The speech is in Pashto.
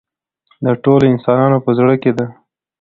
د ټولو انسانانو په زړه کې ده.